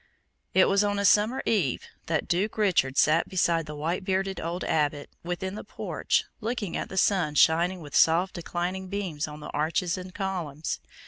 It was on a summer eve, that Duke Richard sat beside the white bearded old Abbot, within the porch, looking at the sun shining with soft declining beams on the arches and columns.